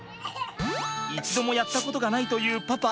一度もやったことがないというパパ。